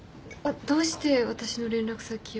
どうして私の連絡先を。